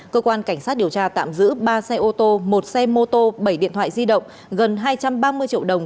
cơ quan cảnh sát điều tra tạm giữ ba xe ô tô một xe mô tô bảy điện thoại di động gần hai trăm ba mươi triệu đồng